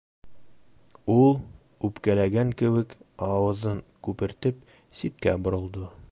— Ул, үпкәләгән кеүек ауыҙын күпертеп, ситкә боролдо.